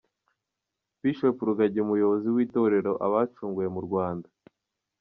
Bishop Rugagi umuyobozi w'itorero Abacunguwe mu Rwanda.